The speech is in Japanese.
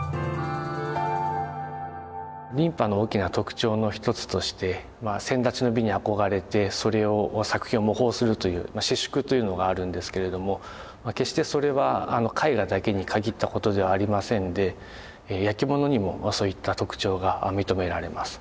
琳派の大きな特徴の一つとして先達の美に憧れてそれを作品を模倣するという私淑というのがあるんですけれども決してそれは絵画だけに限ったことではありませんでやきものにもそういった特徴が認められます。